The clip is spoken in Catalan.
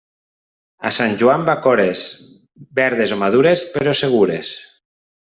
A sant Joan bacores, verdes o madures, però segures.